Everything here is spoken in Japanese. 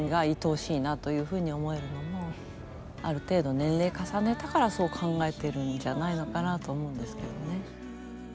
５０６０を超えてからそう考えてるんじゃないのかなと思うんですけどね。